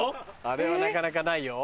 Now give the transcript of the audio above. あれはなかなかないよ？